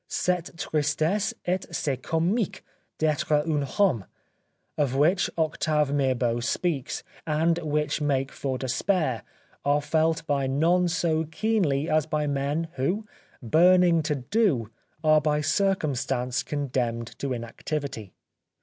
" Cette tristesse et ce comique d'etre un homme," of which Octave Mirbeau speaks, and which make for despair, are felt by none so keenly as by men who, burning to do, are by circumstance condemned to in activity.